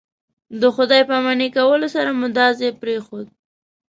د خدای پاماني کولو سره مو دا ځای پرېښود.